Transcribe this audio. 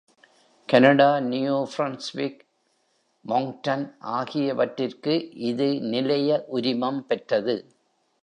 Canada, New Brunswick, Moncton ஆகியவற்றிற்கு இது நிலைய உரிமம் பெற்றது.